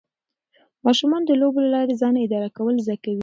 ماشومان د لوبو له لارې ځان اداره کول زده کوي.